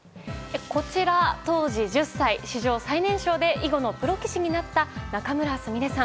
当時１０歳、史上最年少で囲碁のプロ棋士になった仲邑菫さん。